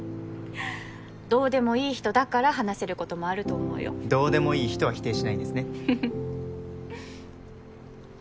どうでもいい人だから話せることもあると思うよどうでもいい人は否定しないんですね